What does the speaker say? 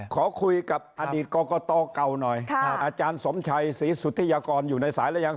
ขอคุยกับอสมชัยศรีสุธิยากรอยู่ในสายแล้วยัง